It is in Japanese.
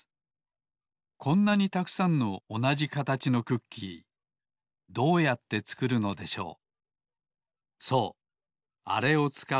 こんなにたくさんのおなじかたちのクッキーどうやってつくるのでしょう。